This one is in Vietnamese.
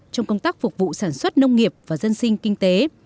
trong công tác phục vụ sản xuất nông nghiệp và dân sinh kinh tế